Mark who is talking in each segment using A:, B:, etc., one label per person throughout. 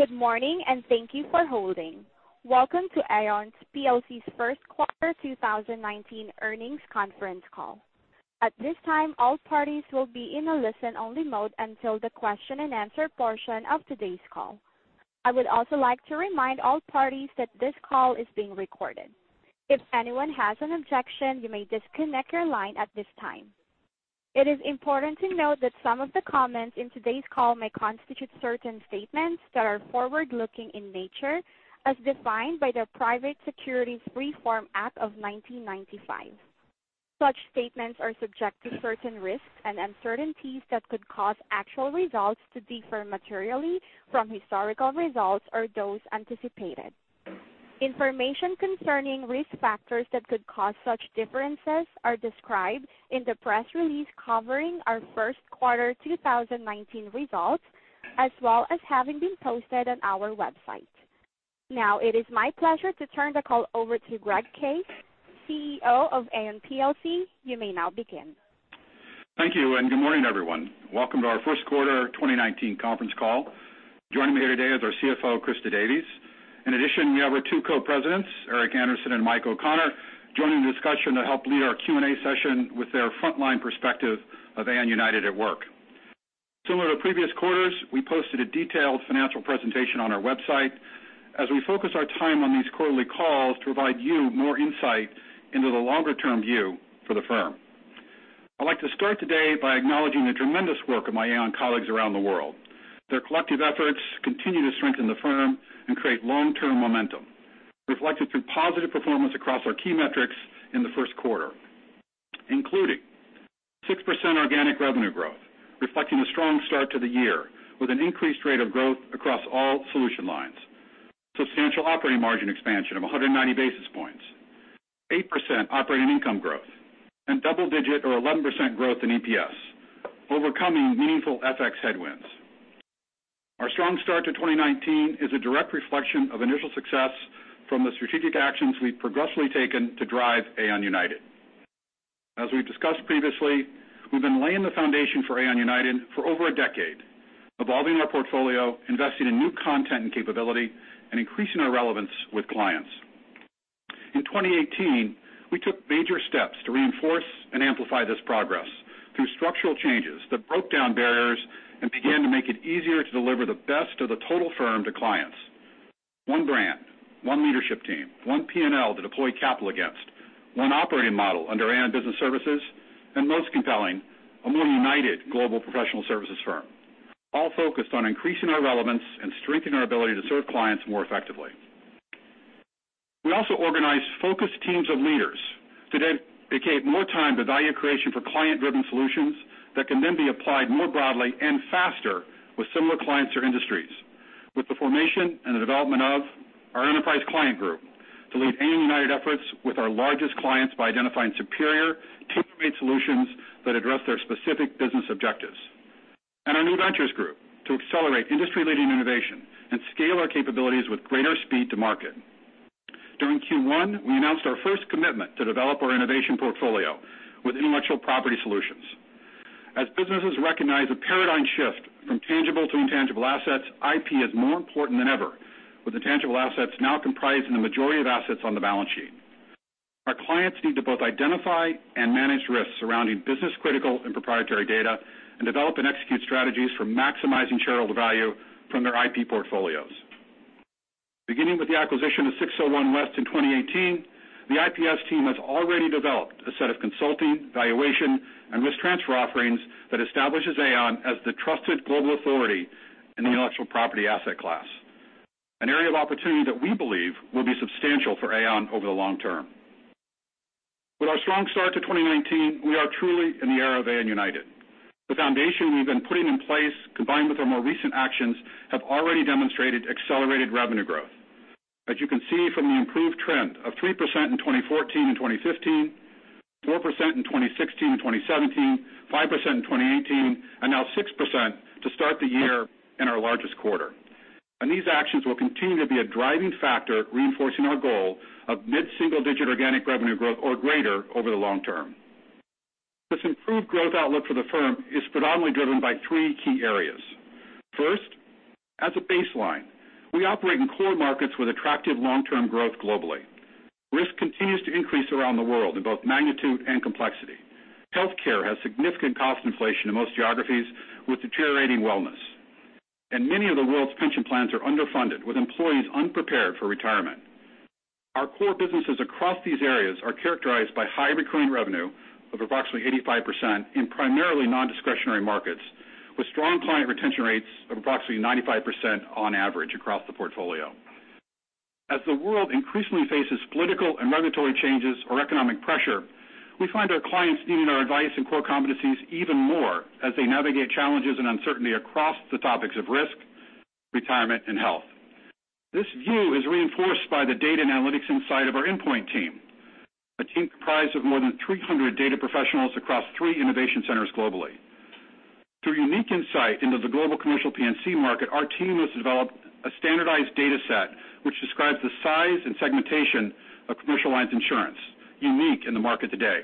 A: Good morning, and thank you for holding. Welcome to Aon plc's first quarter 2019 earnings conference call. At this time, all parties will be in a listen-only mode until the question and answer portion of today's call. I would also like to remind all parties that this call is being recorded. If anyone has an objection, you may disconnect your line at this time. It is important to note that some of the comments in today's call may constitute certain statements that are forward-looking in nature, as defined by the Private Securities Litigation Reform Act of 1995. Such statements are subject to certain risks and uncertainties that could cause actual results to differ materially from historical results or those anticipated. Information concerning risk factors that could cause such differences are described in the press release covering our first quarter 2019 results, as well as having been posted on our website. It is my pleasure to turn the call over to Greg Case, CEO of Aon plc. You may now begin.
B: Thank you. Good morning, everyone. Welcome to our first quarter 2019 conference call. Joining me here today is our CFO, Christa Davies. In addition, we have our two Co-Presidents, Eric Andersen and Michael O'Connor, joining the discussion to help lead our Q&A session with their frontline perspective of Aon United at work. Similar to previous quarters, we posted a detailed financial presentation on our website as we focus our time on these quarterly calls to provide you more insight into the longer-term view for the firm. I'd like to start today by acknowledging the tremendous work of my Aon colleagues around the world. Their collective efforts continue to strengthen the firm and create long-term momentum reflected through positive performance across our key metrics in the first quarter, including 6% organic revenue growth, reflecting a strong start to the year with an increased rate of growth across all solution lines, substantial operating margin expansion of 190 basis points, 8% operating income growth, and double-digit or 11% growth in EPS, overcoming meaningful FX headwinds. Our strong start to 2019 is a direct reflection of initial success from the strategic actions we've progressively taken to drive Aon United. As we've discussed previously, we've been laying the foundation for Aon United for over a decade, evolving our portfolio, investing in new content and capability, and increasing our relevance with clients. In 2018, we took major steps to reinforce and amplify this progress through structural changes that broke down barriers and began to make it easier to deliver the best of the total firm to clients. One brand, one leadership team, one P&L to deploy capital against, one operating model under Aon Business Services, and most compelling, a more united global professional services firm, all focused on increasing our relevance and strengthening our ability to serve clients more effectively. We also organized focus teams of leaders so they dedicate more time to value creation for client-driven solutions that can then be applied more broadly and faster with similar clients or industries. With the formation and the development of our enterprise client group to lead Aon United efforts with our largest clients by identifying superior tailor-made solutions that address their specific business objectives. Our New Ventures Group to accelerate industry-leading innovation and scale our capabilities with greater speed to market. During Q1, we announced our first commitment to develop our innovation portfolio with intellectual property solutions. As businesses recognize a paradigm shift from tangible to intangible assets, IP is more important than ever, with the tangible assets now comprising the majority of assets on the balance sheet. Our clients need to both identify and manage risks surrounding business critical and proprietary data, and develop and execute strategies for maximizing shareholder value from their IP portfolios. Beginning with the acquisition of 601West in 2018, the IPS team has already developed a set of consulting, valuation, and risk transfer offerings that establishes Aon as the trusted global authority in the intellectual property asset class, an area of opportunity that we believe will be substantial for Aon over the long term. With our strong start to 2019, we are truly in the era of Aon United. The foundation we've been putting in place, combined with our more recent actions, have already demonstrated accelerated revenue growth. As you can see from the improved trend of 3% in 2014 and 2015, 4% in 2016 and 2017, 5% in 2018, and now 6% to start the year in our largest quarter. These actions will continue to be a driving factor reinforcing our goal of mid-single-digit organic revenue growth or greater over the long term. This improved growth outlook for the firm is predominantly driven by 3 key areas. First, as a baseline, we operate in core markets with attractive long-term growth globally. Risk continues to increase around the world in both magnitude and complexity. Healthcare has significant cost inflation in most geographies with deteriorating wellness, and many of the world's pension plans are underfunded with employees unprepared for retirement. Our core businesses across these areas are characterized by high recurring revenue of approximately 85% in primarily non-discretionary markets with strong client retention rates of approximately 95% on average across the portfolio. As the world increasingly faces political and regulatory changes or economic pressure, we find our clients needing our advice and core competencies even more as they navigate challenges and uncertainty across the topics of risk, retirement, and health. This view is reinforced by the data and analytics insight of our Endpoint team, a team comprised of more than 300 data professionals across 3 innovation centers globally. Through unique insight into the global commercial P&C market, our team has developed a standardized data set which describes the size and segmentation of commercial lines insurance, unique in the market today.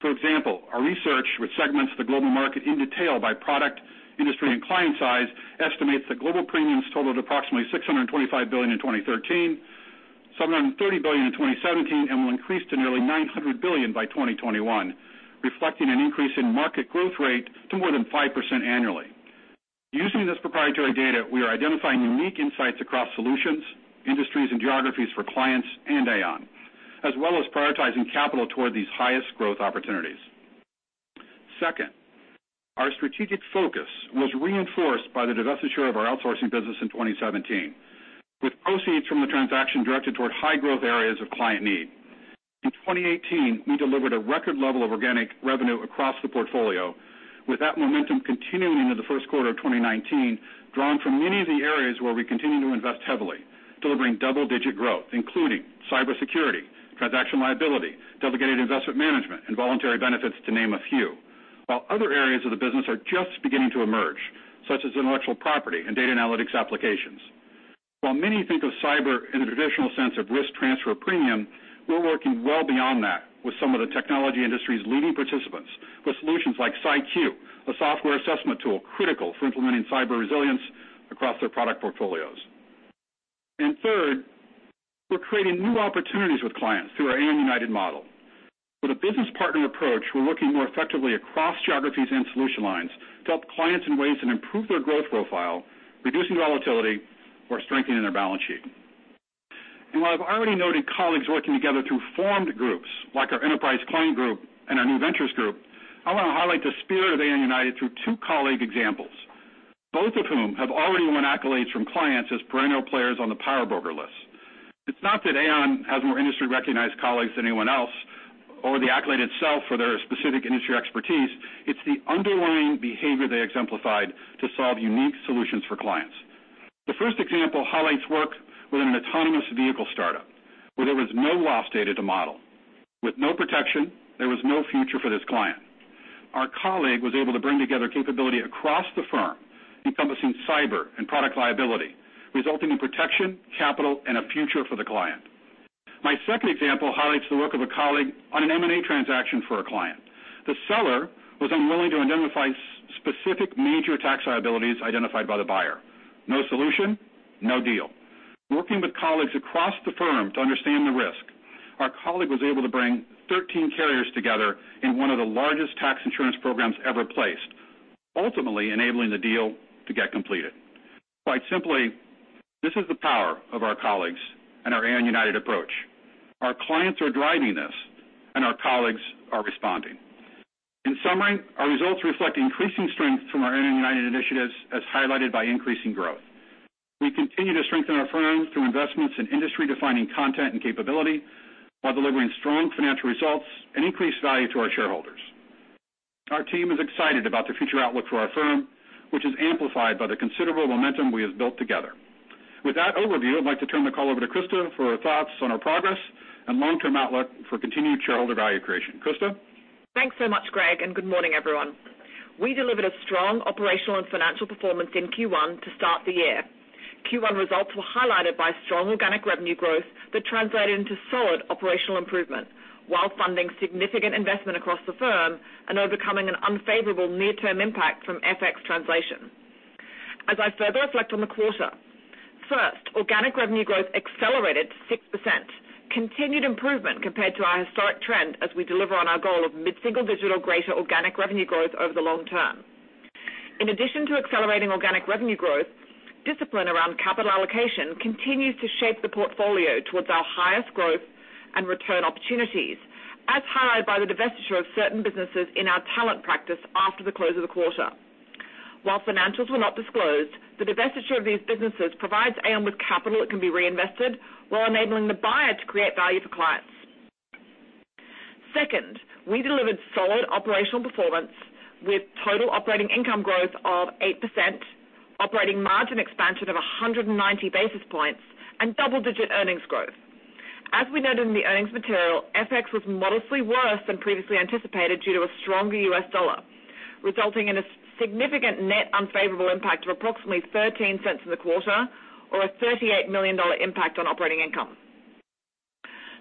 B: For example, our research, which segments the global market in detail by product, industry, and client size, estimates that global premiums totaled approximately $625 billion in 2013, $730 billion in 2017, and will increase to nearly $900 billion by 2021, reflecting an increase in market growth rate to more than 5% annually. Using this proprietary data, we are identifying unique insights across solutions, industries, and geographies for clients and Aon, as well as prioritizing capital toward these highest growth opportunities. Second, our strategic focus was reinforced by the divestiture of our outsourcing business in 2017, with proceeds from the transaction directed toward high-growth areas of client need. In 2018, we delivered a record level of organic revenue across the portfolio, with that momentum continuing into the first quarter of 2019, drawn from many of the areas where we continue to invest heavily, delivering double-digit growth, including cybersecurity, transaction liability, delegated investment management, and voluntary benefits, to name a few. While other areas of the business are just beginning to emerge, such as intellectual property and data analytics applications. While many think of cyber in a traditional sense of risk transfer premium, we're working well beyond that with some of the technology industry's leading participants with solutions like CyQu, a software assessment tool critical for implementing cyber resilience across their product portfolios. Third, we're creating new opportunities with clients through our Aon United model. With a business partner approach, we're working more effectively across geographies and solution lines to help clients in ways that improve their growth profile, reducing volatility or strengthening their balance sheet. While I've already noted colleagues working together through formed groups like our enterprise client group and our New Ventures Group, I want to highlight the spirit of Aon United through two colleague examples, both of whom have already won accolades from clients as perennial players on the Power Broker list. It's not that Aon has more industry-recognized colleagues than anyone else, or the accolade itself for their specific industry expertise, it's the underlying behavior they exemplified to solve unique solutions for clients. The first example highlights work with an autonomous vehicle startup where there was no loss data to model. With no protection, there was no future for this client. Our colleague was able to bring together capability across the firm, encompassing cyber and product liability, resulting in protection, capital, and a future for the client. My second example highlights the work of a colleague on an M&A transaction for a client. The seller was unwilling to identify specific major tax liabilities identified by the buyer. No solution, no deal. Working with colleagues across the firm to understand the risk, our colleague was able to bring 13 carriers together in one of the largest tax insurance programs ever placed, ultimately enabling the deal to get completed. Quite simply, this is the power of our colleagues and our Aon United approach. Our clients are driving this, and our colleagues are responding. In summary, our results reflect increasing strength from our Aon United initiatives, as highlighted by increasing growth. We continue to strengthen our firm through investments in industry-defining content and capability while delivering strong financial results and increased value to our shareholders. Our team is excited about the future outlook for our firm, which is amplified by the considerable momentum we have built together. With that overview, I'd like to turn the call over to Christa for her thoughts on our progress and long-term outlook for continued shareholder value creation. Christa?
C: Thanks so much, Greg, and good morning, everyone. We delivered a strong operational and financial performance in Q1 to start the year. Q1 results were highlighted by strong organic revenue growth that translated into solid operational improvement while funding significant investment across the firm and overcoming an unfavorable near-term impact from FX translation. As I further reflect on the quarter, first, organic revenue growth accelerated 6%, continued improvement compared to our historic trend as we deliver on our goal of mid-single digit organic revenue growth over the long term. In addition to accelerating organic revenue growth, discipline around capital allocation continues to shape the portfolio towards our highest growth and return opportunities, as highlighted by the divestiture of certain businesses in our talent practice after the close of the quarter. While financials were not disclosed, the divestiture of these businesses provides Aon with capital that can be reinvested while enabling the buyer to create value for clients. Second, we delivered solid operational performance with total operating income growth of 8%, operating margin expansion of 190 basis points, and double-digit earnings growth. As we noted in the earnings material, FX was modestly worse than previously anticipated due to a stronger U.S. dollar, resulting in a significant net unfavorable impact of approximately $0.13 in the quarter or a $38 million impact on operating income.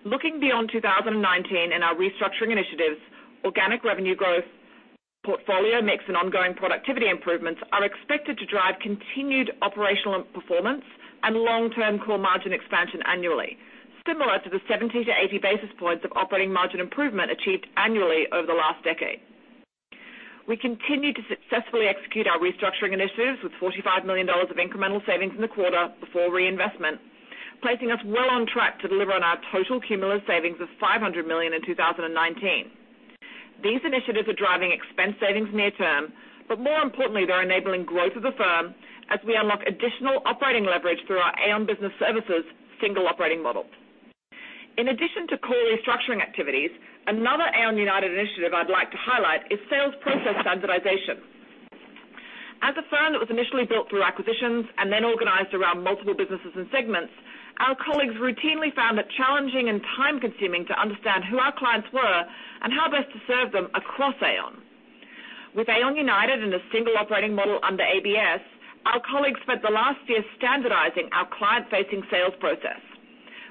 C: Looking beyond 2019 and our restructuring initiatives, organic revenue growth portfolio mix and ongoing productivity improvements are expected to drive continued operational performance and long-term core margin expansion annually, similar to the 70 to 80 basis points of operating margin improvement achieved annually over the last decade. We continue to successfully execute our restructuring initiatives with $45 million of incremental savings in the quarter before reinvestment, placing us well on track to deliver on our total cumulative savings of $500 million in 2019. These initiatives are driving expense savings near term, but more importantly, they're enabling growth of the firm as we unlock additional operating leverage through our Aon Business Services single operating model. In addition to core restructuring activities, another Aon United initiative I'd like to highlight is sales process standardization. As a firm that was initially built through acquisitions and then organized around multiple businesses and segments, our colleagues routinely found it challenging and time-consuming to understand who our clients were and how best to serve them across Aon. With Aon United and a single operating model under ABS, our colleagues spent the last year standardizing our client-facing sales process.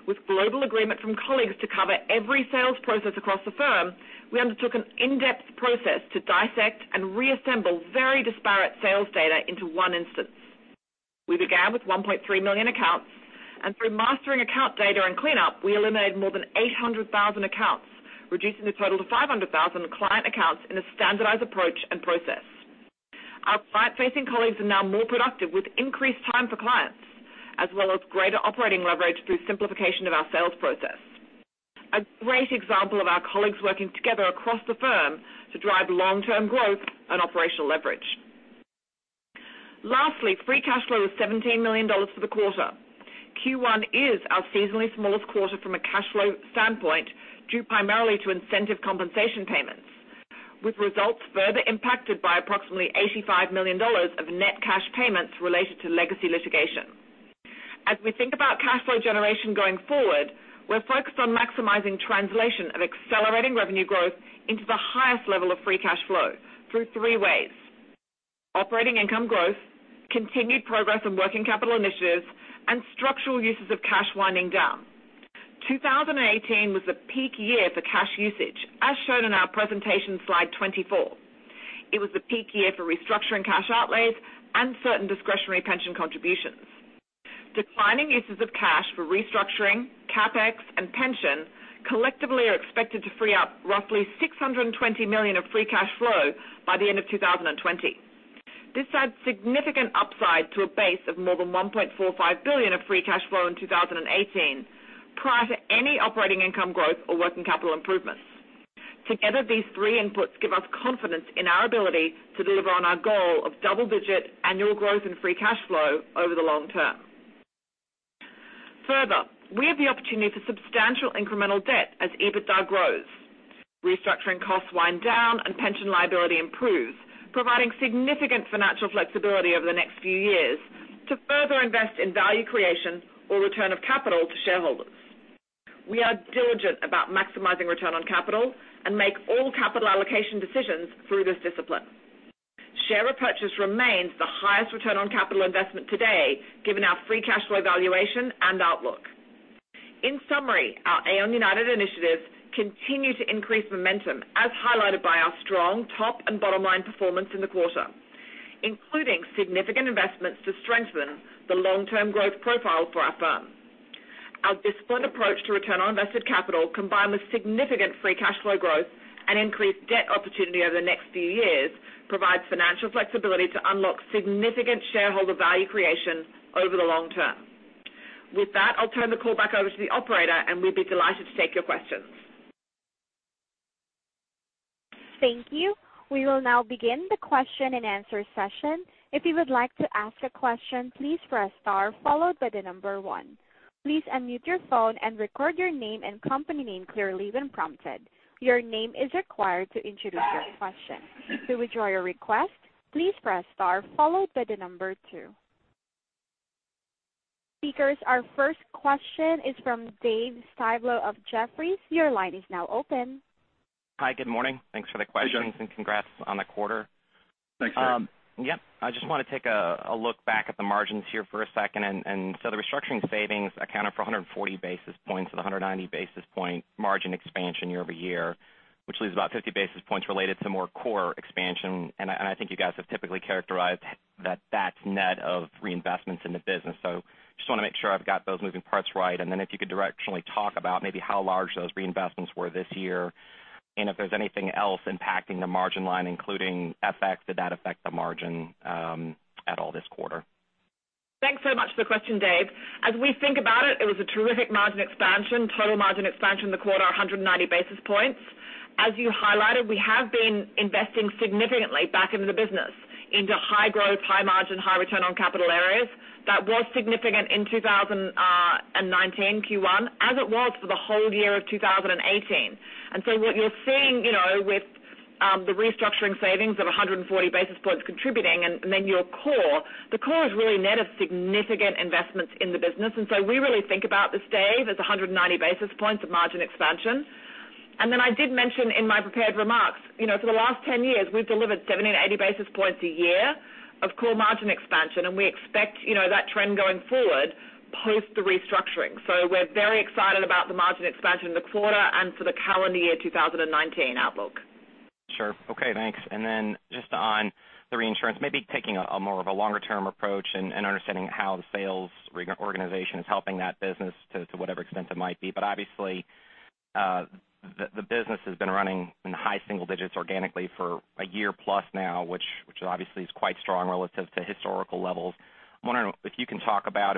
C: With global agreement from colleagues to cover every sales process across the firm, we undertook an in-depth process to dissect and reassemble very disparate sales data into one instance. We began with 1.3 million accounts, and through mastering account data and cleanup, we eliminated more than 800,000 accounts, reducing the total to 500,000 client accounts in a standardized approach and process. Our client-facing colleagues are now more productive with increased time for clients, as well as greater operating leverage through simplification of our sales process. A great example of our colleagues working together across the firm to drive long-term growth and operational leverage. Lastly, free cash flow was $17 million for the quarter. Q1 is our seasonally smallest quarter from a cash flow standpoint, due primarily to incentive compensation payments, with results further impacted by approximately $85 million of net cash payments related to legacy litigation. As we think about cash flow generation going forward, we're focused on maximizing translation of accelerating revenue growth into the highest level of free cash flow through three ways: operating income growth, continued progress on working capital initiatives, and structural uses of cash winding down. 2018 was the peak year for cash usage, as shown in our presentation slide 24. It was the peak year for restructuring cash outlays and certain discretionary pension contributions. Declining uses of cash for restructuring, CapEx, and pension collectively are expected to free up roughly $620 million of free cash flow by the end of 2020. This adds significant upside to a base of more than $1.45 billion of free cash flow in 2018, prior to any operating income growth or working capital improvements. Together, these three inputs give us confidence in our ability to deliver on our goal of double-digit annual growth in free cash flow over the long term. Further, we have the opportunity for substantial incremental debt as EBITDA grows. Restructuring costs wind down and pension liability improves, providing significant financial flexibility over the next few years to further invest in value creation or return of capital to shareholders. We are diligent about maximizing return on capital and make all capital allocation decisions through this discipline. Share repurchase remains the highest return on capital investment today, given our free cash flow valuation and outlook. In summary, our Aon United initiatives continue to increase momentum, as highlighted by our strong top and bottom line performance in the quarter, including significant investments to strengthen the long-term growth profile for our firm. Our disciplined approach to return on invested capital, combined with significant free cash flow growth and increased debt opportunity over the next few years, provides financial flexibility to unlock significant shareholder value creation over the long term. With that, I'll turn the call back over to the operator, and we'll be delighted to take your questions.
A: Thank you. We will now begin the question and answer session. If you would like to ask a question, please press star followed by the number 1. Please unmute your phone and record your name and company name clearly when prompted. Your name is required to introduce your question. To withdraw your request, please press star followed by the number 2. Speakers, our first question is from Dave Styblo of Jefferies. Your line is now open.
D: Hi, good morning. Thanks for the questions and congrats on the quarter.
C: Thanks, Dave.
D: Yep. I just want to take a look back at the margins here for a second. The restructuring savings accounted for 140 basis points of the 190 basis point margin expansion year-over-year, which leaves about 50 basis points related to more core expansion. I think you guys have typically characterized that that's net of reinvestments in the business. Just want to make sure I've got those moving parts right. Then if you could directionally talk about maybe how large those reinvestments were this year, and if there's anything else impacting the margin line, including FX, did that affect the margin at all this quarter?
C: Thanks so much for the question, Dave. As we think about it was a terrific margin expansion. Total margin expansion in the quarter, 190 basis points. As you highlighted, we have been investing significantly back into the business, into high growth, high margin, high return on capital areas. That was significant in 2019 Q1, as it was for the whole year of 2018. What you're seeing with the restructuring savings of 140 basis points contributing and then your core, the core is really net of significant investments in the business. We really think about this, Dave, as 190 basis points of margin expansion. I did mention in my prepared remarks, for the last 10 years, we've delivered 70 to 80 basis points a year of core margin expansion, and we expect that trend going forward post the restructuring. We're very excited about the margin expansion in the quarter and for the calendar year 2019 outlook.
D: Sure. Okay, thanks. Just on the reinsurance, maybe taking a more of a longer term approach and understanding how the sales organization is helping that business to whatever extent it might be. Obviously, the business has been running in high single digits organically for a year plus now, which obviously is quite strong relative to historical levels. I'm wondering if you can talk about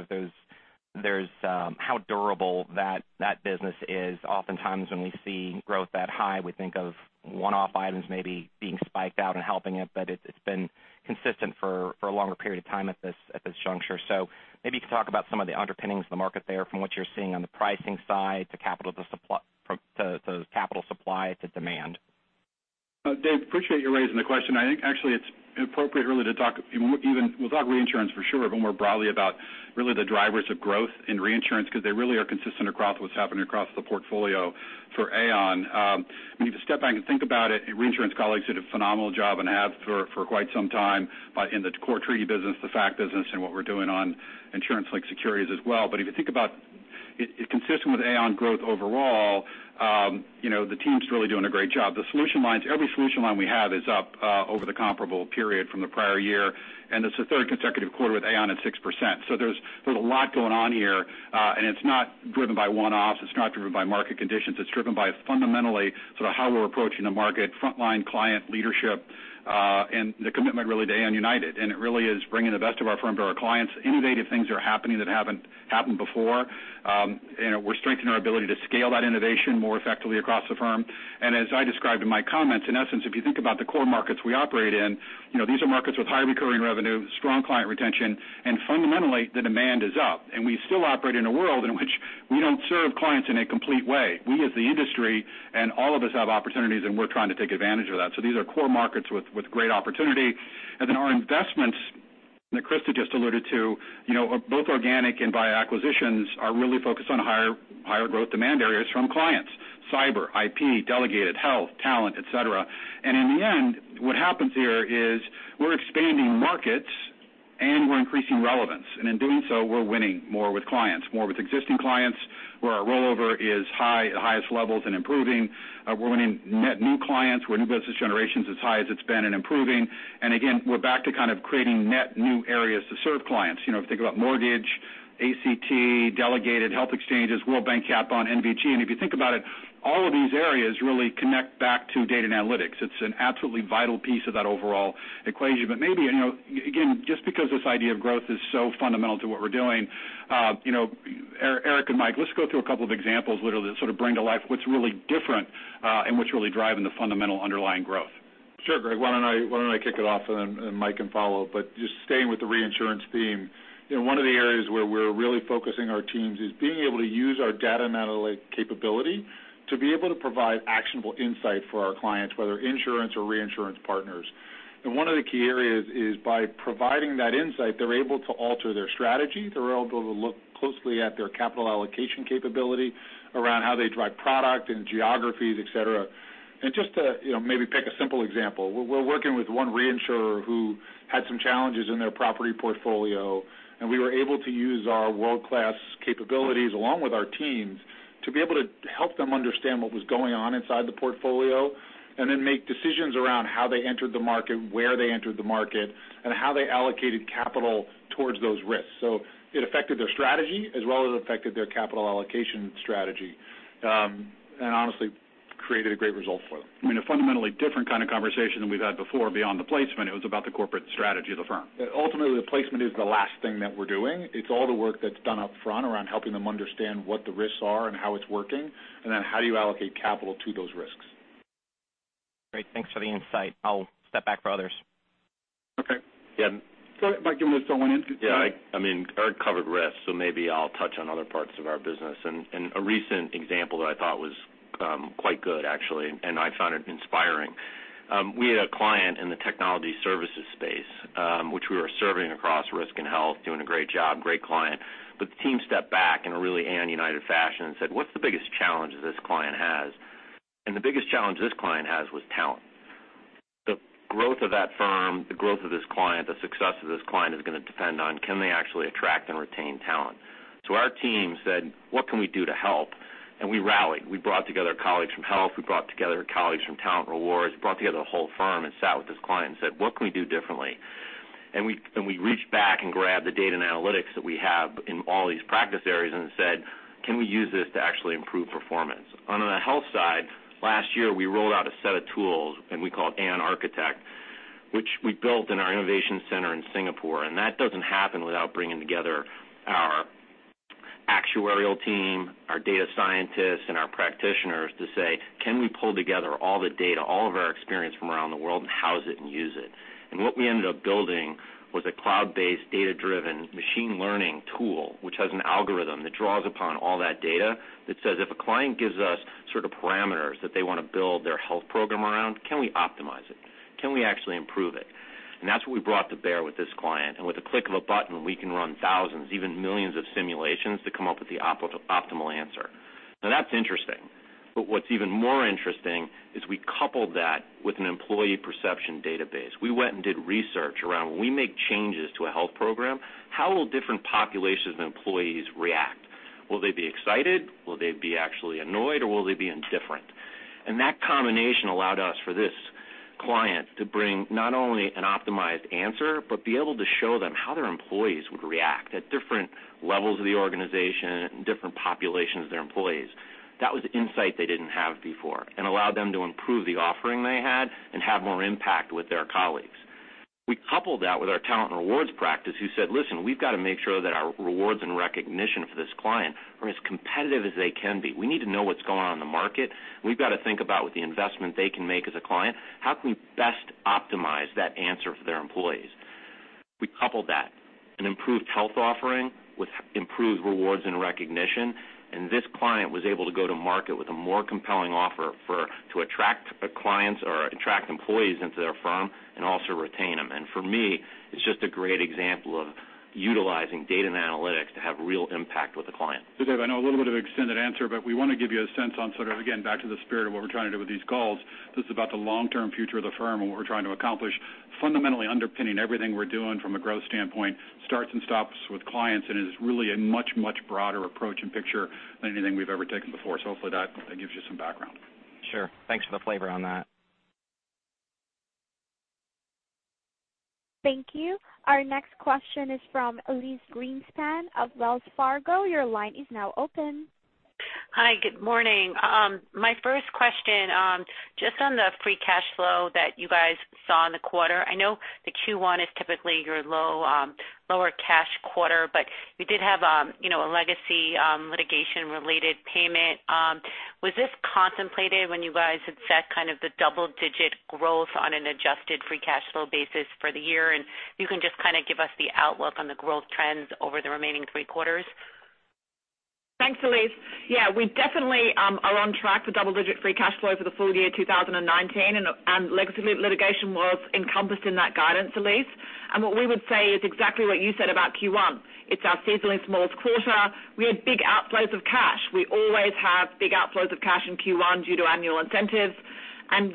D: how durable that business is. Oftentimes when we see growth that high, we think of one-off items maybe being spiked out and helping it, but it's been consistent for a longer period of time at this juncture. Maybe you can talk about some of the underpinnings of the market there from what you're seeing on the pricing side to the capital supply to demand.
B: Dave, appreciate you raising the question. I think actually it's appropriate, really, we'll talk reinsurance for sure, but more broadly about really the drivers of growth in reinsurance, because they really are consistent across what's happening across the portfolio for Aon. When you step back and think about it, your reinsurance colleagues did a phenomenal job and have for quite some time in the core treaty business, the fact business, and what we're doing on insurance-linked securities as well. If you think about it, consistent with Aon growth overall, the team's really doing a great job. The solution lines, every solution line we have is up over the comparable period from the prior year, and it's the third consecutive quarter with Aon at 6%. There's a lot going on here, and it's not driven by one-offs, it's not driven by market conditions. It's driven by fundamentally how we're approaching the market, frontline client leadership, and the commitment, really, to Aon United. It really is bringing the best of our firm to our clients. Innovative things are happening that haven't happened before. We're strengthening our ability to scale that innovation more effectively across the firm. As I described in my comments, in essence, if you think about the core markets we operate in, these are markets with high recurring revenue, strong client retention, and fundamentally, the demand is up. We still operate in a world in which we don't serve clients in a complete way. We as the industry and all of us have opportunities, and we're trying to take advantage of that. These are core markets with great opportunity. Our investments that Christa just alluded to, both organic and via acquisitions, are really focused on higher growth demand areas from clients, cyber, IP, delegated health, talent, et cetera. In the end, what happens here is we're expanding markets and we're increasing relevance. In doing so, we're winning more with clients, more with existing clients, where our rollover is high at highest levels and improving. We're winning net new clients where new business generation's as high as it's been and improving. Again, we're back to kind of creating net new areas to serve clients. If you think about mortgage, ACT, delegated health exchanges, World Bank, Cat Bond, NBG, if you think about it, all of these areas really connect back to data and analytics. It's an absolutely vital piece of that overall equation. Maybe, again, just because this idea of growth is so fundamental to what we're doing, Eric and Mike, let's go through a couple of examples that sort of bring to life what's really different and what's really driving the fundamental underlying growth.
E: Sure, Greg, why don't I kick it off, and Mike can follow. Just staying with the reinsurance theme, one of the areas where we're really focusing our teams is being able to use our data and analytics capability to be able to provide actionable insight for our clients, whether insurance or reinsurance partners. One of the key areas is by providing that insight, they're able to alter their strategy. They're able to look closely at their capital allocation capability around how they drive product and geographies, et cetera. Just to maybe pick a simple example, we're working with one reinsurer who had some challenges in their property portfolio, and we were able to use our world-class capabilities along with our teams to be able to help them understand what was going on inside the portfolio and then make decisions around how they entered the market, where they entered the market, and how they allocated capital towards those risks. It affected their strategy as well as affected their capital allocation strategy. Honestly, created a great result for them.
B: I mean, a fundamentally different kind of conversation than we've had before. Beyond the placement, it was about the corporate strategy of the firm.
E: Ultimately, the placement is the last thing that we're doing. It's all the work that's done up front around helping them understand what the risks are and how it's working, and then how do you allocate capital to those risks.
D: Great. Thanks for the insight. I'll step back for others.
E: Okay.
B: Yeah.
E: Go ahead, Mike, you want to throw one in?
F: Yes. I mean, Eric covered risk, maybe I'll touch on other parts of our business. A recent example that I thought was quite good, actually, and I found it inspiring. We had a client in the technology services space, which we were serving across risk and health, doing a great job, great client. The team stepped back in a really Aon United fashion and said, "What's the biggest challenge this client has?" The biggest challenge this client has was talent. The growth of that firm, the growth of this client, the success of this client is going to depend on can they actually attract and retain talent. Our team said, "What can we do to help?" We rallied. We brought together colleagues from health. We brought together colleagues from talent rewards. We brought together the whole firm and sat with this client and said, "What can we do differently?" We reached back and grabbed the data and analytics that we have in all these practice areas and said, "Can we use this to actually improve performance?" On the health side, last year, we rolled out a set of tools and we called it Aon Architect, which we built in our innovation center in Singapore. That doesn't happen without bringing together our actuarial team, our data scientists, and our practitioners to say, "Can we pull together all the data, all of our experience from around the world, and house it and use it?" What we ended up building was a cloud-based, data-driven machine learning tool, which has an algorithm that draws upon all that data that says if a client gives us sort of parameters that they want to build their health program around, can we optimize it? Can we actually improve it? That's what we brought to bear with this client. With the click of a button, we can run thousands, even millions of simulations to come up with the optimal answer. That's interesting. What's even more interesting is we coupled that with an employee perception database. We went and did research around when we make changes to a health program, how will different populations of employees react? Will they be excited? Will they be actually annoyed, or will they be indifferent? That combination allowed us, for this client, to bring not only an optimized answer, but be able to show them how their employees would react at different levels of the organization, different populations of their employees. That was insight they didn't have before and allowed them to improve the offering they had and have more impact with their colleagues. We coupled that with our talent rewards practice, who said, "Listen, we've got to make sure that our rewards and recognition for this client are as competitive as they can be. We need to know what's going on in the market. We've got to think about with the investment they can make as a client, how can we best answer for their employees. We coupled that, an improved health offering with improved rewards and recognition, and this client was able to go to market with a more compelling offer to attract clients or attract employees into their firm and also retain them. For me, it's just a great example of utilizing data and analytics to have real impact with the client.
B: Dave, I know a little bit of extended answer, but we want to give you a sense on, again, back to the spirit of what we're trying to do with these calls. This is about the long-term future of the firm and what we're trying to accomplish. Fundamentally underpinning everything we're doing from a growth standpoint starts and stops with clients, and it is really a much, much broader approach and picture than anything we've ever taken before. Hopefully that gives you some background.
D: Sure. Thanks for the flavor on that.
A: Thank you. Our next question is from Elyse Greenspan of Wells Fargo. Your line is now open.
G: Hi, good morning. My first question, just on the free cash flow that you guys saw in the quarter. I know that Q1 is typically your lower cash quarter, but you did have a legacy litigation-related payment. Was this contemplated when you guys had set kind of the double-digit growth on an adjusted free cash flow basis for the year? You can just kind of give us the outlook on the growth trends over the remaining three quarters?
C: Thanks, Elyse. Yeah, we definitely are on track for double-digit free cash flow for the full year 2019, legacy litigation was encompassed in that guidance, Elyse. What we would say is exactly what you said about Q1. It's our seasonally smallest quarter. We had big outflows of cash. We always have big outflows of cash in Q1 due to annual incentives.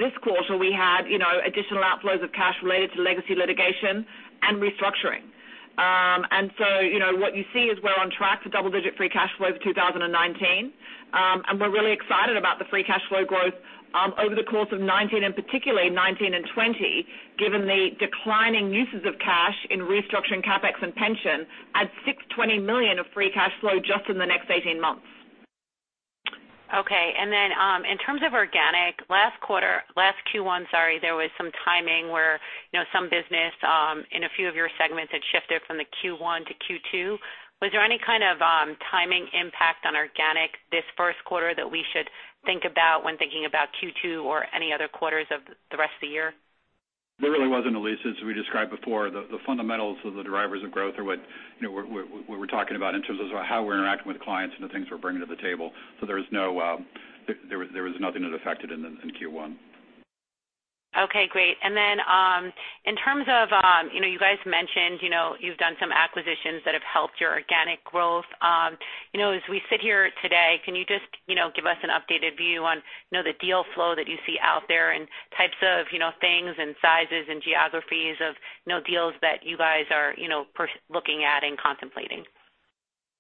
C: This quarter, we had additional outflows of cash related to legacy litigation and restructuring. So what you see is we're on track for double-digit free cash flow for 2019. We're really excited about the free cash flow growth over the course of '19, and particularly '19 and '20, given the declining uses of cash in restructuring CapEx and pension, add $620 million of free cash flow just in the next 18 months.
G: Okay. In terms of organic, last Q1, there was some timing where some business in a few of your segments had shifted from the Q1 to Q2. Was there any kind of timing impact on organic this first quarter that we should think about when thinking about Q2 or any other quarters of the rest of the year?
B: There really wasn't, Elyse. As we described before, the fundamentals of the drivers of growth are what we're talking about in terms of how we're interacting with clients and the things we're bringing to the table. There was nothing that affected in Q1.
G: Okay, great. In terms of, you guys mentioned you've done some acquisitions that have helped your organic growth. As we sit here today, can you just give us an updated view on the deal flow that you see out there and types of things and sizes and geographies of deals that you guys are looking at and contemplating?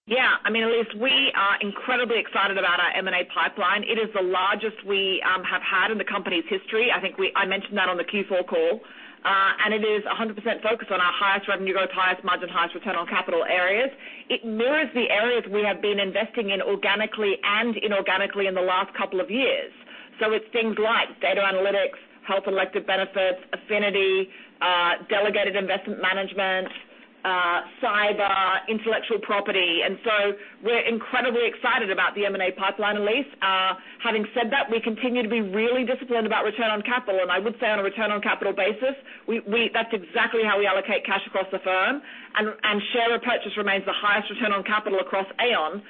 C: Yeah. I mean, Elyse, we are incredibly excited about our M&A pipeline. It is the largest we have had in the company's history. I think I mentioned that on the Q4 call. It is 100% focused on our highest revenue growth, highest margin, highest return on capital areas. It mirrors the areas we have been investing in organically and inorganically in the last couple of years. It's things like data analytics, health and elective benefits, affinity, delegated investment management, cyber, intellectual property. We're incredibly excited about the M&A pipeline, Elyse. Having said that, we continue to be really disciplined about return on capital. I would say on a return on capital basis, that's exactly how we allocate cash across the firm. Share repurchase remains the highest return on capital across Aon.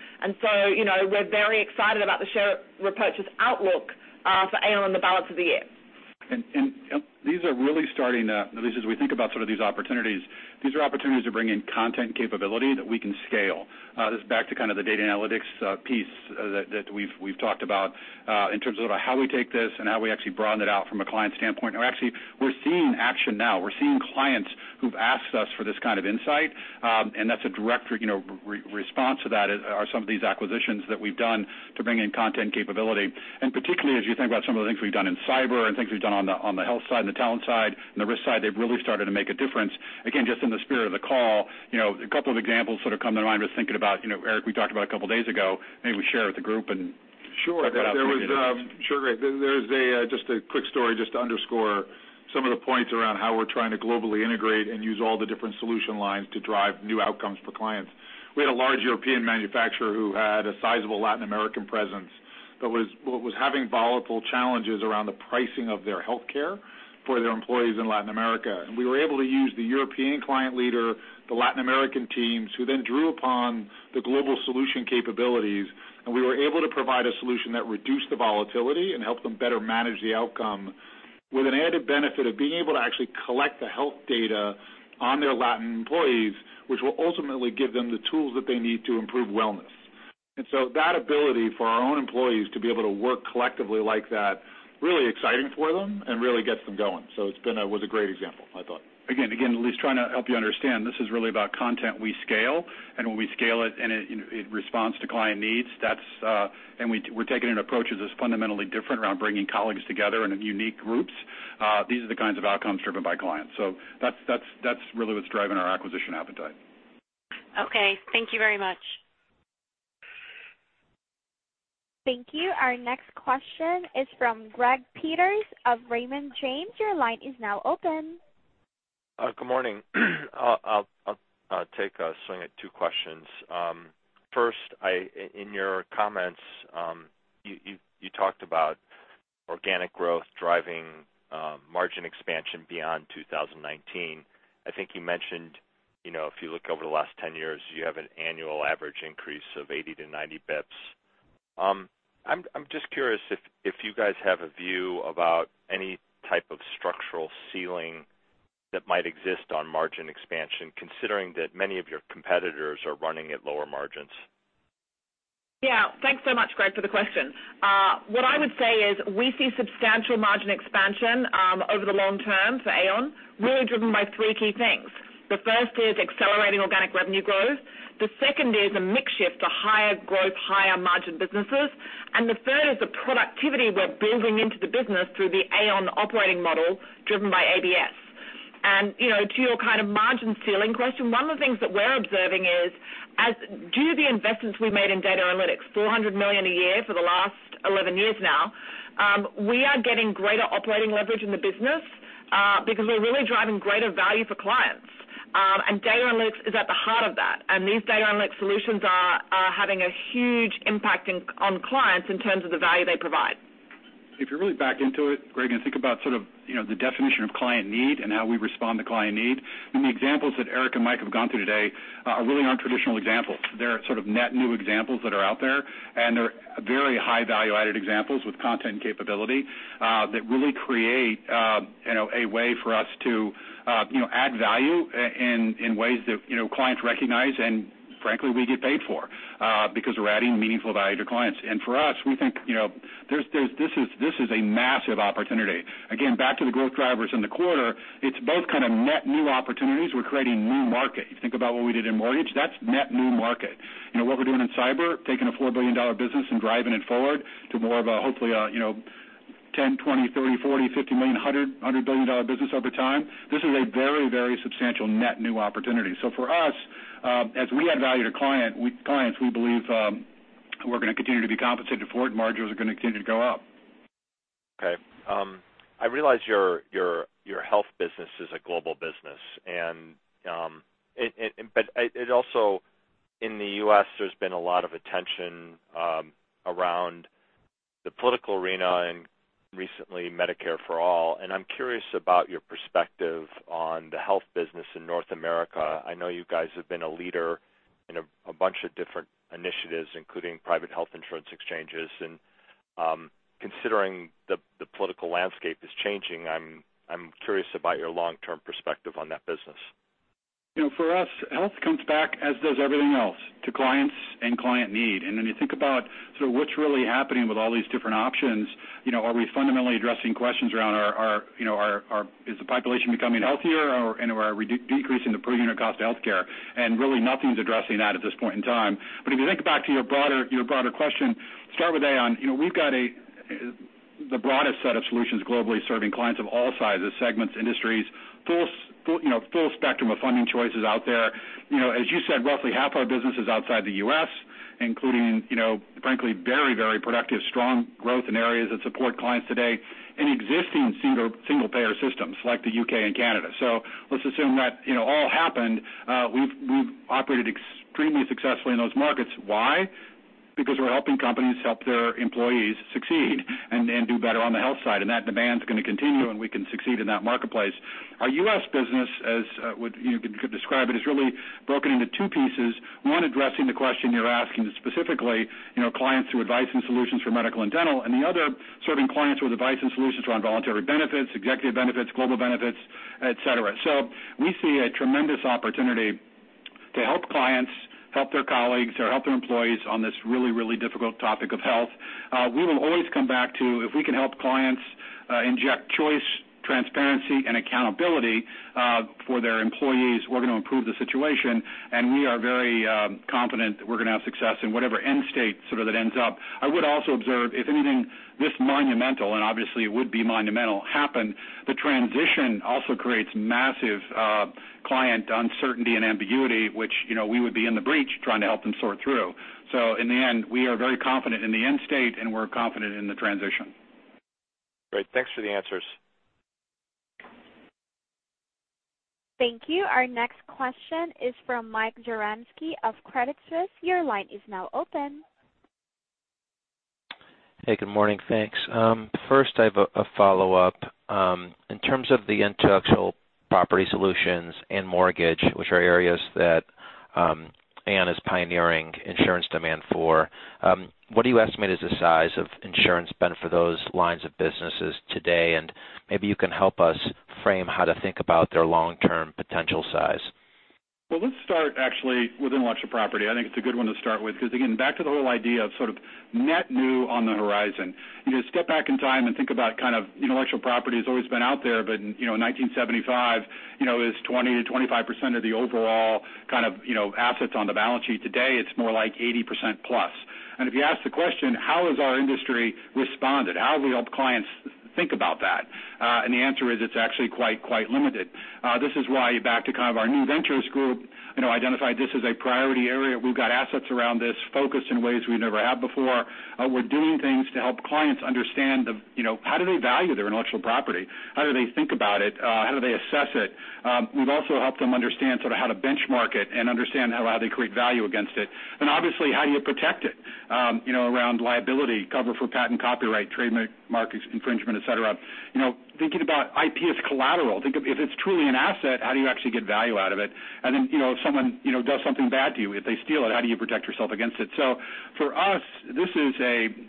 C: We're very excited about the share repurchase outlook for Aon in the balance of the year.
B: These are really starting to, Elyse, as we think about sort of these opportunities, these are opportunities to bring in content capability that we can scale. This is back to kind of the data analytics piece that we've talked about in terms of how we take this and how we actually broaden it out from a client standpoint. We're seeing action now. We're seeing clients who've asked us for this kind of insight, and that's a direct response to that are some of these acquisitions that we've done to bring in content capability. Particularly as you think about some of the things we've done in cyber and things we've done on the health side and the talent side and the risk side, they've really started to make a difference. Again, just in the spirit of the call, a couple of examples sort of come to mind. I was thinking about Eric, we talked about a couple of days ago, maybe we share with the group.
E: Sure. There's just a quick story just to underscore some of the points around how we're trying to globally integrate and use all the different solution lines to drive new outcomes for clients. We had a large European manufacturer who had a sizable Latin American presence, but was having volatile challenges around the pricing of their healthcare for their employees in Latin America. We were able to use the European client leader, the Latin American teams, who then drew upon the global solution capabilities, we were able to provide a solution that reduced the volatility and helped them better manage the outcome with an added benefit of being able to actually collect the health data on their Latin employees, which will ultimately give them the tools that they need to improve wellness. That ability for our own employees to be able to work collectively like that, really exciting for them and really gets them going. It was a great example, I thought.
B: Again, Elyse, trying to help you understand, this is really about content we scale, and when we scale it and it responds to client needs, and we're taking an approach that's fundamentally different around bringing colleagues together in unique groups. These are the kinds of outcomes driven by clients. That's really what's driving our acquisition appetite.
G: Okay. Thank you very much.
A: Thank you. Our next question is from Greg Peters of Raymond James. Your line is now open.
H: Good morning. I'll take a swing at two questions. First, in your comments you talked about organic growth driving margin expansion beyond 2019. I think you mentioned, if you look over the last 10 years, you have an annual average increase of 70 to 80 basis points. I'm just curious if you guys have a view about any type of structural ceiling that might exist on margin expansion, considering that many of your competitors are running at lower margins.
C: Thanks so much, Greg, for the question. What I would say is we see substantial margin expansion, over the long term for Aon, really driven by three key things. The first is accelerating organic revenue growth. The second is a mix shift to higher growth, higher margin businesses. The third is the productivity we're building into the business through the Aon operating model driven by ABS. To your margin ceiling question, one of the things that we're observing is as due to the investments we made in data analytics, $400 million a year for the last 11 years now, we are getting greater operating leverage in the business, because we're really driving greater value for clients. Data analytics is at the heart of that. These data analytics solutions are having a huge impact on clients in terms of the value they provide.
B: If you really back into it, Greg, and think about the definition of client need and how we respond to client need, then the examples that Eric and Mike have gone through today, really aren't traditional examples. They're sort of net new examples that are out there, and they're very high value-added examples with content and capability, that really create a way for us to add value in ways that clients recognize and frankly, we get paid for, because we're adding meaningful value to clients. For us, we think this is a massive opportunity. Again, back to the growth drivers in the quarter, it's both net new opportunities. We're creating new market. You think about what we did in mortgage, that's net new market. What we're doing in cyber, taking a $4 billion business and driving it forward to more of a, hopefully, a $10, $20, $30, $40, $50 million, $100 billion business over time. This is a very substantial net new opportunity. For us, as we add value to clients, we believe, we're going to continue to be compensated for it, and margins are going to continue to go up.
H: Okay. I realize your health business is a global business, but it also in the U.S., there's been a lot of attention around the political arena and recently Medicare for All. I'm curious about your perspective on the health business in North America. I know you guys have been a leader in a bunch of different initiatives, including private health insurance exchanges, and considering the political landscape is changing, I'm curious about your long-term perspective on that business.
B: For us, health comes back as does everything else to clients and client need. You think about what's really happening with all these different options. Are we fundamentally addressing questions around is the population becoming healthier or are we decreasing the per unit cost of healthcare? Really nothing's addressing that at this point in time. If you think back to your broader question, start with Aon. We've got the broadest set of solutions globally serving clients of all sizes, segments, industries, full spectrum of funding choices out there. As you said, roughly half our business is outside the U.S. including frankly, very productive, strong growth in areas that support clients today in existing single payer systems like the U.K. and Canada. Let's assume that all happened. We've operated extremely successfully in those markets. Why? Because we're helping companies help their employees succeed and do better on the health side. That demand's going to continue, and we can succeed in that marketplace. Our U.S. business as you could describe it, is really broken into two pieces. One, addressing the question you're asking specifically, clients who advice and solutions for medical and dental, and the other serving clients with advice and solutions around voluntary benefits, executive benefits, global benefits, et cetera. We see a tremendous opportunity to help clients help their colleagues or help their employees on this really difficult topic of health. We will always come back to if we can help clients, inject choice, transparency, and accountability for their employees, we're going to improve the situation. We are very confident that we're going to have success in whatever end state that ends up. I would also observe, if anything this monumental, and obviously it would be monumental happen, the transition also creates massive client uncertainty and ambiguity, which we would be in the breach trying to help them sort through. In the end, we are very confident in the end state, and we're confident in the transition.
H: Great. Thanks for the answers.
A: Thank you. Our next question is from Michael Zaremski of Credit Suisse. Your line is now open.
I: Hey, good morning. Thanks. First I have a follow-up. In terms of the intellectual property solutions and mortgage, which are areas that Aon is pioneering insurance demand for, what do you estimate is the size of insurance spend for those lines of businesses today? Maybe you can help us frame how to think about their long-term potential size.
B: Well, let's start actually with intellectual property. I think it's a good one to start with because again, back to the whole idea of net new on the horizon. You step back in time and think about intellectual property has always been out there, but in 1975 is 20%-25% of the overall assets on the balance sheet. Today it's more like 80%+. If you ask the question, how has our industry responded? How have we helped clients think about that? The answer is it's actually quite limited. This is why back to our New Ventures Group identified this as a priority area. We've got assets around this focused in ways we never have before. We're doing things to help clients understand how do they value their intellectual property? How do they think about it? How do they assess it? We've also helped them understand how to benchmark it and understand how they create value against it. Obviously, how do you protect it around liability cover for patent copyright, trademark infringement, et cetera. Thinking about IP as collateral. If it's truly an asset, how do you actually get value out of it? Then if someone does something bad to you, if they steal it, how do you protect yourself against it? For us, this is,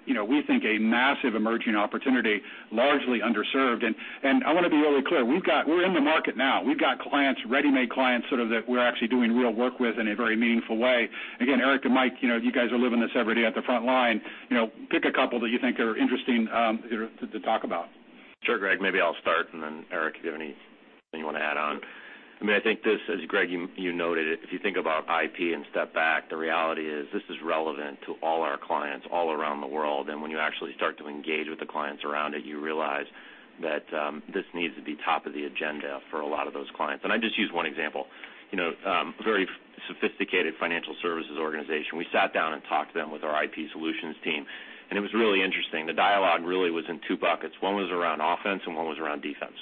B: we think, a massive emerging opportunity, largely underserved. I want to be really clear. We're in the market now. We've got ready-made clients that we're actually doing real work with in a very meaningful way. Again, Eric and Mike, you guys are living this every day at the front line. Pick a couple that you think are interesting to talk about.
F: Sure, Greg, maybe I'll start and then Eric, if you have anything you want to add on. I think this, as Greg, you noted, if you think about IP and step back, the reality is this is relevant to all our clients all around the world, and when you actually start to engage with the clients around it, you realize that this needs to be top of the agenda for a lot of those clients. I just use one example. A very sophisticated financial services organization. We sat down and talked to them with our IP solutions team, and it was really interesting. The dialogue really was in two buckets. One was around offense and one was around defense.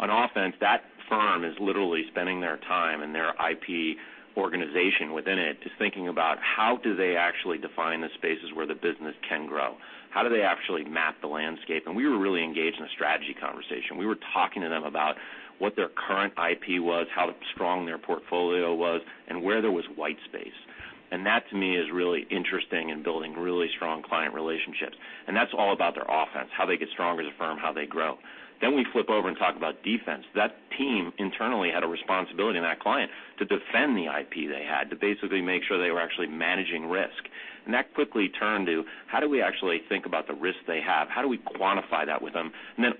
F: On offense, that firm is literally spending their time and their IP organization within it to thinking about how do they actually define the spaces where the business can grow? How do they actually map the landscape? We were really engaged in a strategy conversation. We were talking to them about what their current IP was, how strong their portfolio was, and where there was white space. That to me is really interesting in building really strong client relationships. That's all about their offense, how they get stronger as a firm, how they grow. We flip over and talk about defense. That team internally had a responsibility on that client to defend the IP they had, to basically make sure they were actually managing risk. That quickly turned to how do we actually think about the risk they have? How do we quantify that with them?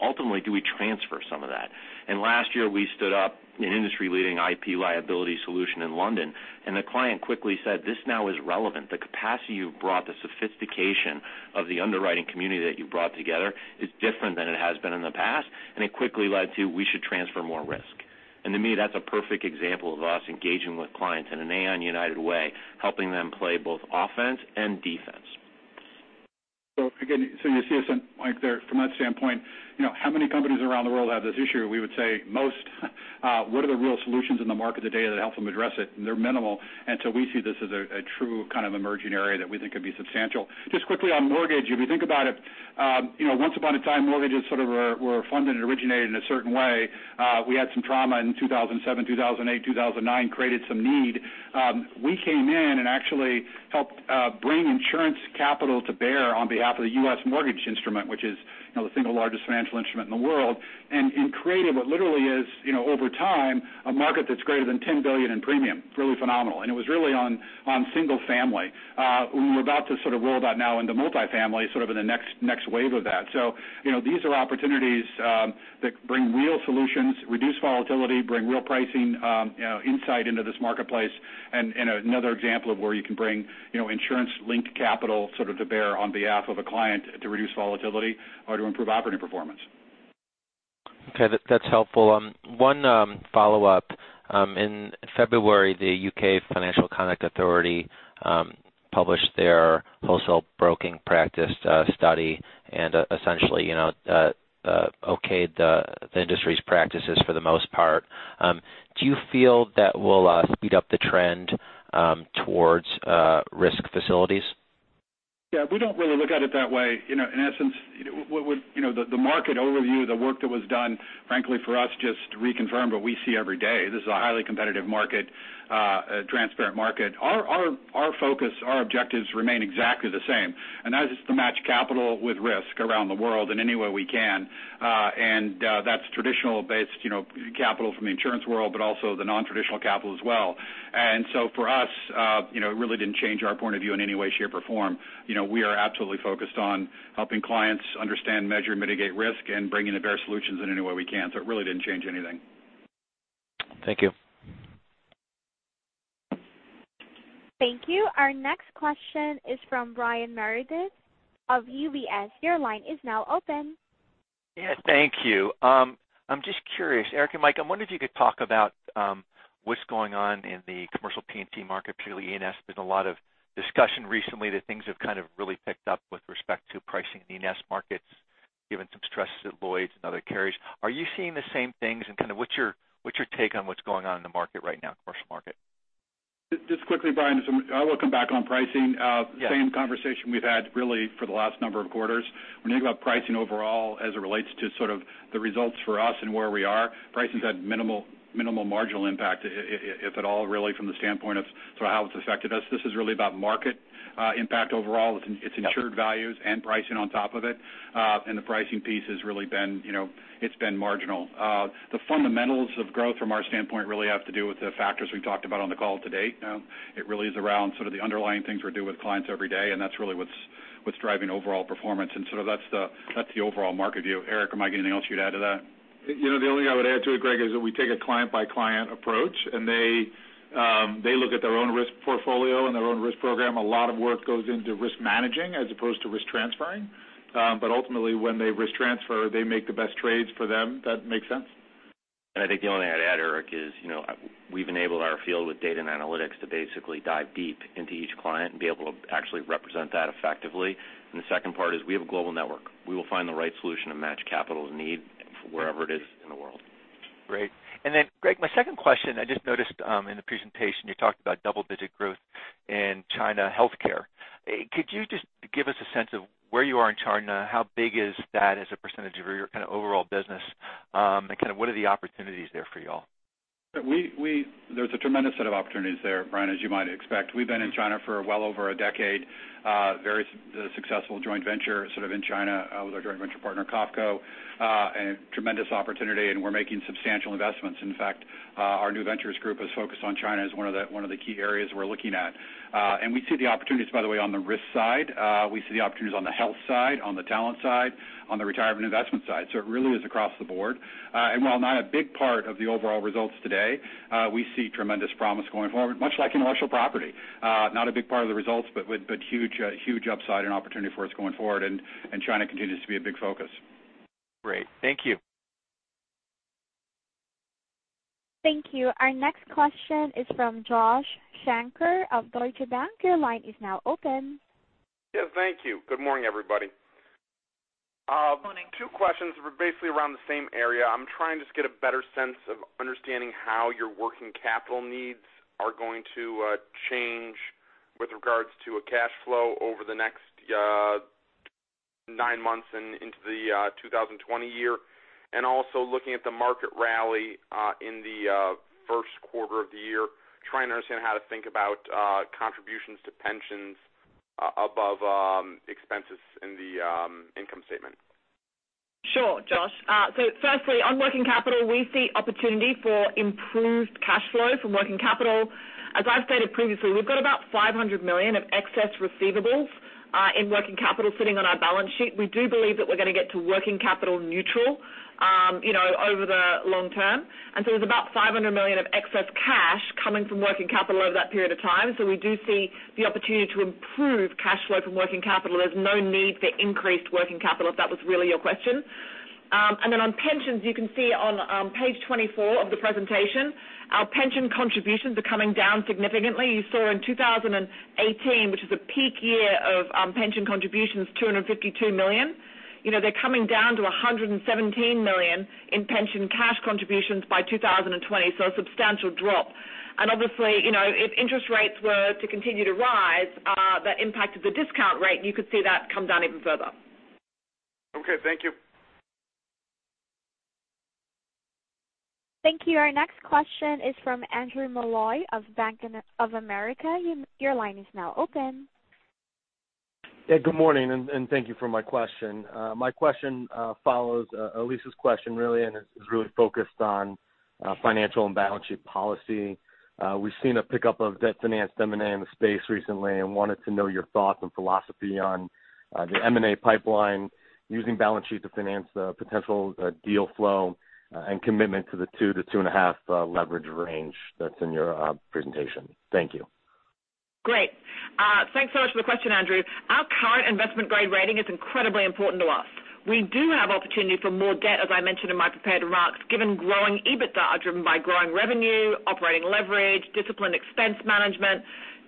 F: Ultimately, do we transfer some of that? Last year, we stood up an industry-leading IP liability solution in London, and the client quickly said, "This now is relevant. The capacity you've brought, the sophistication of the underwriting community that you brought together is different than it has been in the past." It quickly led to, we should transfer more risk. To me, that's a perfect example of us engaging with clients in an Aon United way, helping them play both offense and defense.
B: Again, you see us, Mike, there from that standpoint, how many companies around the world have this issue? We would say most. What are the real solutions in the market today that help them address it? They're minimal. We see this as a true kind of emerging area that we think could be substantial. Just quickly on mortgage, if you think about it, once upon a time, mortgages sort of were funded and originated in a certain way. We had some trauma in 2007, 2008, 2009, created some need. We came in and actually helped bring insurance capital to bear on behalf of the U.S. mortgage instrument, which is the single largest financial instrument in the world. In creating what literally is, over time, a market that's greater than $10 billion in premium. Really phenomenal. It was really on single family. We're about to roll that now into multifamily in the next wave of that. These are opportunities that bring real solutions, reduce volatility, bring real pricing insight into this marketplace. Another example of where you can bring insurance-linked capital to bear on behalf of a client to reduce volatility or to improve operating performance.
I: Okay. That's helpful. One follow-up. In February, the U.K. Financial Conduct Authority published their wholesale broking practice study and essentially okayed the industry's practices for the most part. Do you feel that will speed up the trend towards risk facilities?
B: Yeah. We don't really look at it that way. In essence, the market overview, the work that was done, frankly for us just reconfirmed what we see every day. This is a highly competitive market, a transparent market. Our focus, our objectives remain exactly the same, and that is to match capital with risk around the world in any way we can. That's traditional based capital from the insurance world, but also the non-traditional capital as well. For us, it really didn't change our point of view in any way, shape, or form. We are absolutely focused on helping clients understand, measure, mitigate risk, and bring in the best solutions in any way we can. It really didn't change anything.
I: Thank you.
A: Thank you. Our next question is from Brian Meredith of UBS. Your line is now open.
J: Yeah. Thank you. I'm just curious, Eric and Mike, I'm wondering if you could talk about what's going on in the commercial P&C market, purely E&S. There's been a lot of discussion recently that things have kind of really picked up with respect to pricing in the E&S markets, given some stresses at Lloyd's and other carriers. Are you seeing the same things and kind of what's your take on what's going on in the market right now, commercial market?
B: Just quickly, Brian, I will come back on pricing.
J: Yeah.
B: Same conversation we've had really for the last number of quarters. When you think about pricing overall as it relates to sort of the results for us and where we are, pricing's had minimal marginal impact, if at all really from the standpoint of how it's affected us. This is really about market impact overall. It's insured values and pricing on top of it. The pricing piece has really been marginal. The fundamentals of growth from our standpoint really have to do with the factors we talked about on the call today. It really is around sort of the underlying things we do with clients every day, and that's really what's driving overall performance. That's the overall market view. Eric or Mike, anything else you'd add to that?
F: The only thing I would add to it, Greg, is that we take a client-by-client approach, and they look at their own risk portfolio and their own risk program. A lot of work goes into risk managing as opposed to risk transferring. Ultimately when they risk transfer, they make the best trades for them. That make sense? I think the only thing I'd add, Eric, is we've enabled our field with data and analytics to basically dive deep into each client and be able to actually represent that effectively. The second part is we have a global network. We will find the right solution to match capital need wherever it is in the world.
J: Great. Greg, my second question, I just noticed in the presentation you talked about double-digit growth in China healthcare. Could you just give us a sense of where you are in China? How big is that as a percentage of your overall business? What are the opportunities there for you all?
B: There's a tremendous set of opportunities there, Brian, as you might expect. We've been in China for well over a decade. Very successful joint venture sort of in China with our joint venture partner, COFCO. Tremendous opportunity, and we're making substantial investments. In fact, our New Ventures Group is focused on China as one of the key areas we're looking at. We see the opportunities, by the way, on the risk side. We see the opportunities on the health side, on the talent side, on the retirement investment side. It really is across the board. While not a big part of the overall results today, we see tremendous promise going forward, much like in commercial property. Not a big part of the results, but huge upside and opportunity for us going forward. China continues to be a big focus.
J: Great. Thank you.
A: Thank you. Our next question is from Josh Shanker of Deutsche Bank. Your line is now open.
K: Yes, thank you. Good morning, everybody.
C: Morning.
K: Two questions basically around the same area. I'm trying to just get a better sense of understanding how your working capital needs are going to change with regards to a cash flow over the next nine months and into the 2020 year, also looking at the market rally in the first quarter of the year, trying to understand how to think about contributions to pensions above expenses in the income statement.
C: Sure, Josh. Firstly, on working capital, we see opportunity for improved cash flow from working capital. As I've stated previously, we've got about $500 million of excess receivables in working capital sitting on our balance sheet. We do believe that we're going to get to working capital neutral over the long term. There's about $500 million of excess cash coming from working capital over that period of time. We do see the opportunity to improve cash flow from working capital. There's no need for increased working capital, if that was really your question. On pensions, you can see on page 24 of the presentation, our pension contributions are coming down significantly. You saw in 2018, which is a peak year of pension contributions, $252 million. They're coming down to $117 million in pension cash contributions by 2020, a substantial drop. Obviously, if interest rates were to continue to rise, that impacted the discount rate, and you could see that come down even further.
K: Okay. Thank you.
A: Thank you. Our next question is from Andrew Malloy of Bank of America. Your line is now open.
L: Good morning. Thank you for my question. My question follows Elyse's question really. It is really focused on financial and balance sheet policy. We've seen a pickup of debt finance M&A in the space recently and wanted to know your thoughts and philosophy on the M&A pipeline using balance sheet to finance the potential deal flow and commitment to the 2 to 2.5 leverage range that is in your presentation. Thank you.
C: Great. Thanks so much for the question, Andrew. Our current investment grade rating is incredibly important to us. We do have opportunity for more debt, as I mentioned in my prepared remarks, given growing EBITDA, driven by growing revenue, operating leverage, disciplined expense management,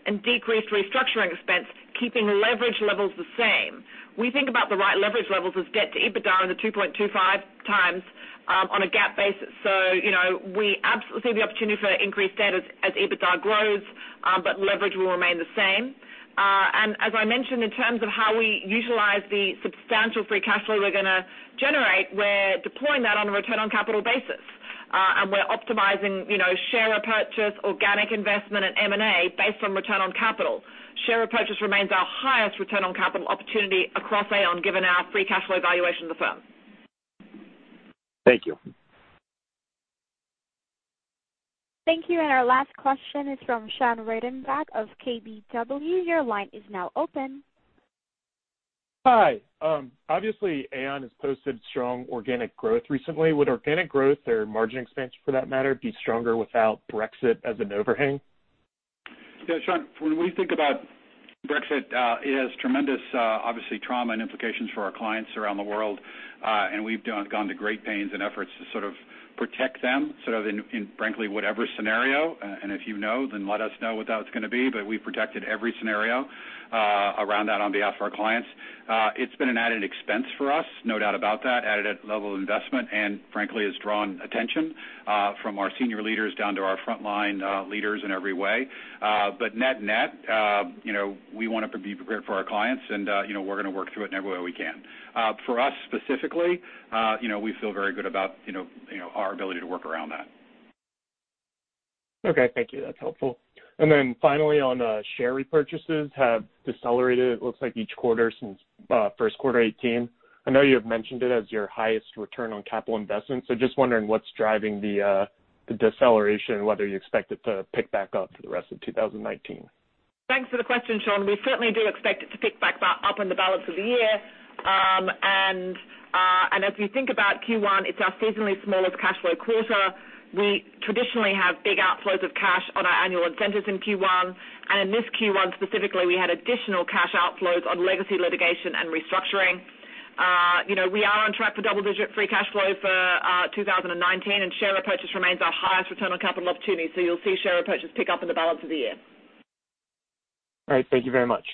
C: and decreased restructuring expense, keeping leverage levels the same. We think about the right leverage levels as debt-to-EBITDA in the 2.25 times on a GAAP basis. We absolutely see the opportunity for increased debt as EBITDA grows, but leverage will remain the same. As I mentioned, in terms of how we utilize the substantial free cash flow we're going to generate, we're deploying that on a return on capital basis. We're optimizing share repurchase, organic investment, and M&A based on return on capital. Share repurchase remains our highest return on capital opportunity across Aon, given our free cash flow evaluation of the firm.
L: Thank you.
A: Thank you. Our last question is from Sean Reitenbach of KBW. Your line is now open.
M: Hi. Obviously, Aon has posted strong organic growth recently. Would organic growth or margin expense for that matter be stronger without Brexit as an overhang?
B: Yeah, Sean, when we think about Brexit, it has tremendous, obviously trauma and implications for our clients around the world. We've gone to great pains and efforts to sort of protect them, sort of in frankly, whatever scenario. If you know, then let us know what that's going to be. We protected every scenario around that on behalf of our clients. It's been an added expense for us, no doubt about that, added a level of investment, and frankly, has drawn attention from our senior leaders down to our frontline leaders in every way. Net-net, we want to be prepared for our clients, and we're going to work through it in every way we can. For us specifically, we feel very good about our ability to work around that.
M: Okay, thank you. That's helpful. Then finally on share repurchases have decelerated, it looks like each quarter since first quarter 2018. I know you have mentioned it as your highest return on capital investment. Just wondering what's driving the deceleration and whether you expect it to pick back up for the rest of 2019.
C: Thanks for the question, Sean. We certainly do expect it to pick back up in the balance of the year. As we think about Q1, it's our seasonally smallest cash flow quarter. We traditionally have big outflows of cash on our annual incentives in Q1. In this Q1 specifically, we had additional cash outflows on legacy litigation and restructuring. We are on track for double-digit free cash flow for 2019, and share repurchase remains our highest return on capital opportunity. You'll see share repurchase pick up in the balance of the year.
M: All right, thank you very much.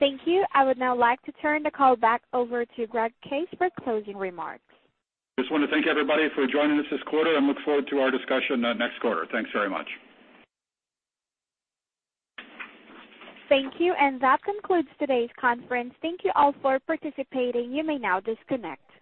A: Thank you. I would now like to turn the call back over to Greg Case for closing remarks.
B: Just want to thank everybody for joining us this quarter and look forward to our discussion next quarter. Thanks very much.
A: Thank you. That concludes today's conference. Thank you all for participating. You may now disconnect.